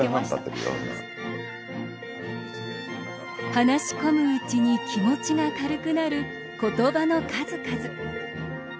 話し込むうちに気持ちが軽くなる言葉の数々。